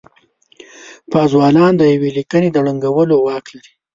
پازوالان د يوې ليکنې د ړنګولو واک لري.